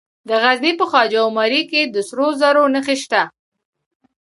د غزني په خواجه عمري کې د سرو زرو نښې شته.